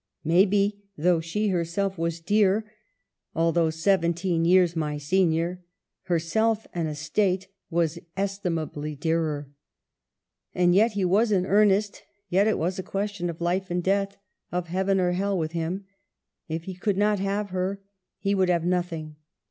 Maybe, though she herself was dear, "although seventeen years my senior," " herself and estate " was estimably dearer. And yet he was in earnest, yet it was a ques tion of life and death, of heaven or hell, with him. If he could not have her, he would have nothing.